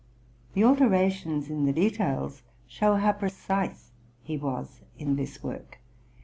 The alterations in the details show how precise he was in this work.